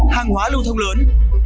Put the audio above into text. hàng hóa lưu thông lớn